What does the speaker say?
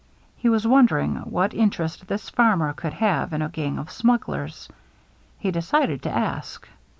He was wonder ing what interest this farmer could have in a gang of smugglers. He decided to ask.